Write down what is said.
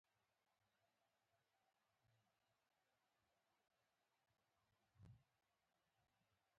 د ګاونډي نوم د احترام وړ دی